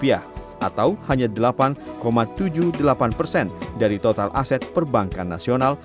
atau hanya delapan tujuh puluh delapan persen dari total aset perbankan nasional